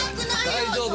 大丈夫！